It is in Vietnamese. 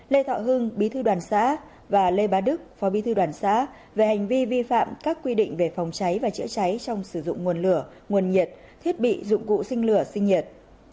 lê thọ hưng bí thư đoàn xã và lê bá đức phó bí thư đoàn xã về hành vi vi phạm các quy định về phòng cháy và chữa cháy trong sử dụng nguồn lửa nguồn nhiệt thiết bị dụng cụ sinh lửa sinh nhiệt